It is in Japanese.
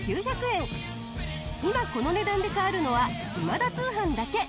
今この値段で買えるのは『今田通販』だけ。